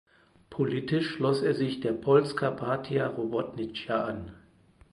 Politisch schloss er sich der Polska Partia Robotnicza an.